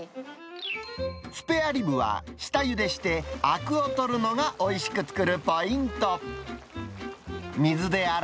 スペアリブは、下ゆでしてあくを取るのが、おいしく作るポイント。